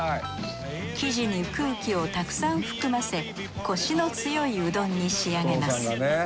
生地に空気をたくさん含ませコシの強いうどんに仕上げます。